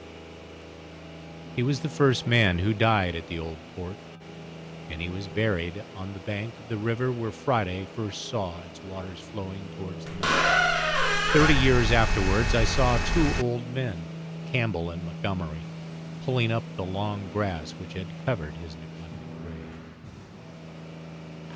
He was the first man who died at the Old Port, and he was buried on the bank of the river where Friday first saw its waters flowing towards the mountain. Thirty years afterwards I saw two old men, Campbell and Montgomery, pulling up the long grass which had covered his neglected grave.